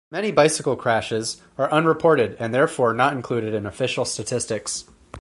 Many bicycle crashes are unreported and therefore not included in official statistics.